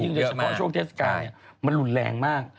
อย่างเฉพาะช่วงเทศกายมันหลุนแรงมาก